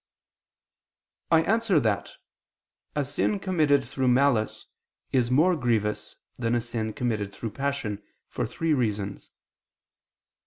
I answer that, A sin committed through malice is more grievous than a sin committed through passion, for three reasons.